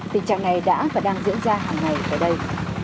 tình trạng này đã và đang diễn ra hàng ngày tại đây